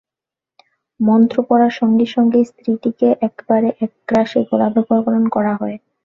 মন্ত্র পড়ার সঙ্গে সঙ্গেই স্ত্রীটিকে একেবারে এক গ্রাসে গলাধঃকরণ করা হয়।